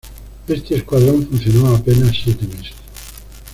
Este escuadrón funcionó apenas siete meses.